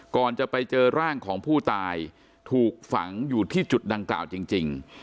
ก่อนจะไปเจอร่างของผู้ตายถูกฝังอยู่ที่จุดดังกล่าวจริง